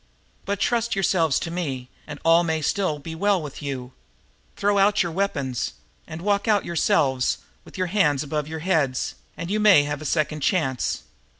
But trust yourselves to me, and all may still be well with you. Throw out your weapons, and then walk out yourselves, with your arms above your heads, and you may have a second chance.